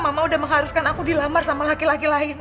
mama udah mengharuskan aku dilamar sama laki laki lain